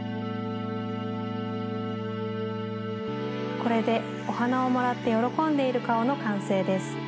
これでおはなをもらってよろこんでいるかおのかんせいです。